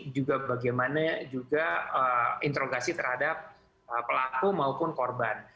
juga bagaimana juga interogasi terhadap pelaku maupun korban